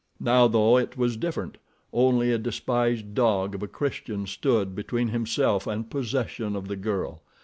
Now, though, it was different—only a despised dog of a Christian stood between himself and possession of the girl.